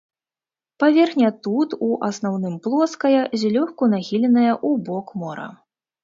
Паверхня тут у асноўным плоская, злёгку нахіленая ў бок мора.